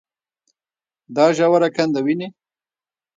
دا ژوره کنده وينې.